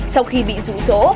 sau khi bị rủ rỗ